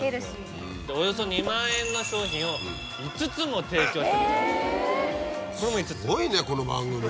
およそ２万円の商品を５つも提供してくださいました。